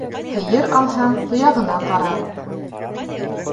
Һыйыр алһаң, тояғына кара